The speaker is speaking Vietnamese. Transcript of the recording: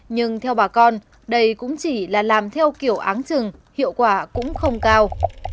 nhưng theo bà con đây cũng chỉ là làm theo kiểu áng trừng hiệu quả cũng không cao